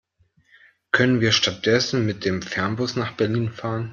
Können wir stattdessen mit dem Fernbus nach Berlin fahren?